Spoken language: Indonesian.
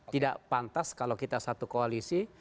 tidak pantas kalau kita satu koalisi